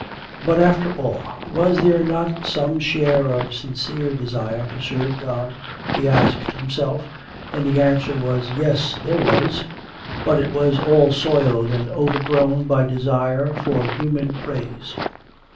But after all was there not some share of sincere desire to serve God?' he asked himself, and the answer was: 'Yes, there was, but it was all soiled and overgrown by desire for human praise.